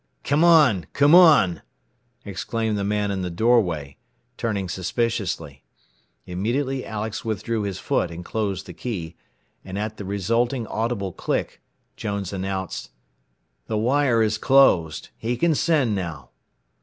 "Come on! Come on!" exclaimed the man in the doorway, turning suspiciously. Immediately Alex withdrew his foot and closed the key, and at the resulting audible click Jones announced: "The wire has closed. He can send now."